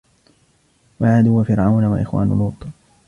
وعاد وفرعون وإخوان لوط